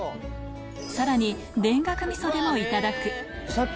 さらに田楽味噌でもいただくさっき。